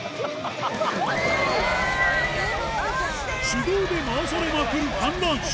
手動で回されまくる観覧車